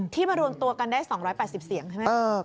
มารวมตัวกันได้๒๘๐เสียงใช่ไหม